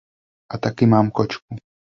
A taky mám kočku.